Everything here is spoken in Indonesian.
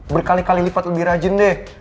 berkali kali lipat lebih rajin deh